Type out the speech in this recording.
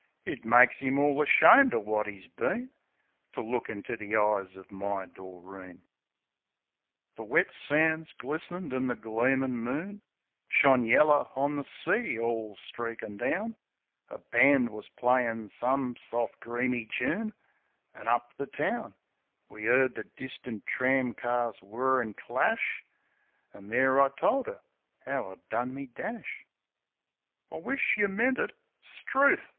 It makes 'im all ashamed uv wot 'e's been To look inter the eyes of my Doreen. 34 THE SENTIMENTAL BLOKE The wet sands glistened, an' the gleamin' moon Shone yeller on the sea, all streakin' down. A band was playin' some soft, dreamy toon; An' up the town We 'card the distant tram cars whir an' dash. An' there I told 'er 'ow I'd done me dash. "I wish't yeh meant it." 'Struth!